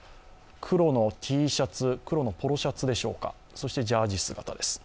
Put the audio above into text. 黒のＴシャツ、黒のポロシャツでしょうかそしてジャージ姿です。